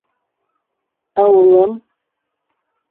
Ә улым?!